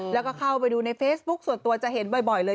แล้วก็เข้าไปดูในเฟซบุ๊คส่วนตัวจะเห็นบ่อยเลย